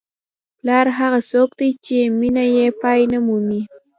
پلار هغه څوک دی چې مینه یې پای نه مومي.